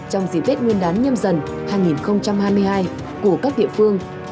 trong dịp tết nguyên đán nhâm dần hai nghìn hai mươi hai của các địa phương